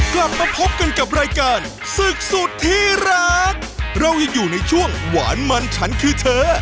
กลับมาพบกันกับรายการศึกสุดที่รักเรายังอยู่ในช่วงหวานมันฉันคือเธอ